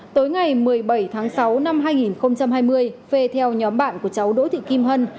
tối ngày một mươi bảy tháng sáu năm hai nghìn hai mươi phê theo nhóm bạn của cháu đỗ thị kim hân